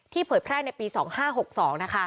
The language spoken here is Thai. เผยแพร่ในปี๒๕๖๒นะคะ